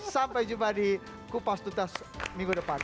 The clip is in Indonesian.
sampai jumpa di kupas tuntas minggu depan